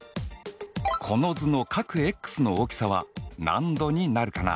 この図の角ｘの大きさは何度になるかな？